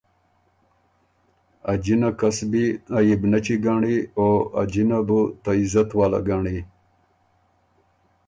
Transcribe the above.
ا جِنه کسبی عئبنچی ګنړی او ا جِنه بُو ته عزت واله ګنړی۔